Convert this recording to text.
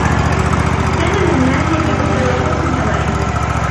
كان منّاد يبيع الدّرّاجات الهوائيّة.